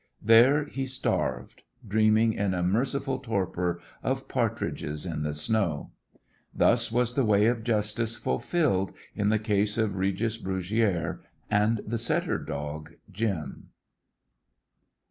There he starved, dreaming in a merciful torpor of partridges in the snow. Thus was the way of justice fulfilled in the case of Regis Brugiere and the setter dog Jim.